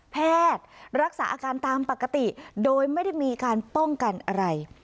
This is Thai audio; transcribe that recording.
แพทย์รักษาอาการตามปกติโดยไม่ได้มีการป้องกันอะไร